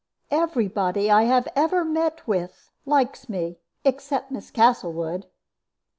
Every body I have ever met with likes me, except Miss Castlewood."